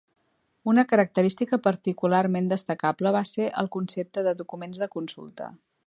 Una característica particularment destacable va ser el concepte de "documents de consulta".